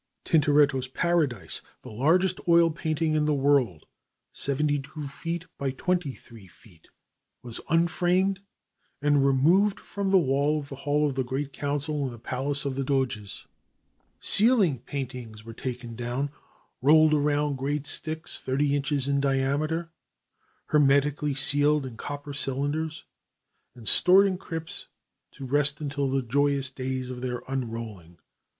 Tintoretto's "Paradise," the largest oil painting in the world (72 feet by 23 feet) was unframed and removed from the wall of the Hall of the Great Council in the Palace of the Doges. Ceiling paintings were taken down, rolled around great sticks thirty inches in diameter, hermetically sealed in copper cylinders, and stored in crypts to rest until the joyous day of their unrolling.